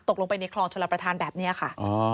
ตกลงไปในคลองชลประธานแบบนี้ค่ะ